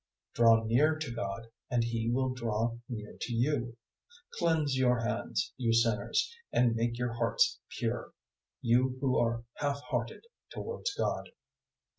004:008 Draw near to God, and He will draw near to you. Cleanse your hands, you sinners, and make your hearts pure, you who are half hearted towards God.